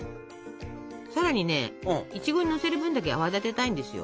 さらにねいちごにのせる分だけ泡立てたいんですよ。